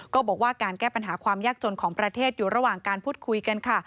ก็บอกว่าการแก้ปัญหาความยากจนของประเทศอยู่ระหว่างการพูดคุยกันค่ะ